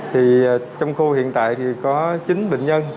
thì trong khu hiện tại thì có chín bệnh nhân